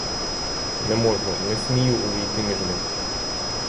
Не можу, не смію увійти між них.